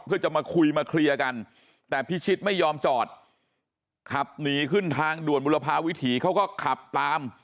เพื่อจะมาคุยมาเคลียร์กันแต่พิชิตไม่ยอมจอดขับหนีขึ้นทางด่วนบุรพาวิถีเขาก็ขับตาม